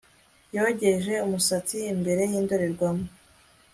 Yogeje umusatsi imbere yindorerwamo